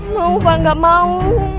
mau pak enggak mau